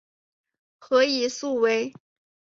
何以速为。